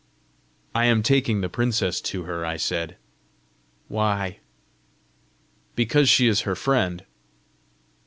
"I am taking the princess to her," I said. "Why?" "Because she is her friend."